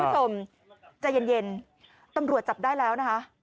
คุณผู้ชมใจเย็นตำรวจจับได้แล้วนะคะ